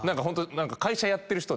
会社やってる人で。